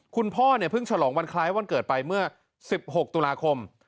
คุณพ่อเนี่ยเพิ่งฉลองวันคล้ายวันเกิดไปเมื่อ๑๖ตุลาคม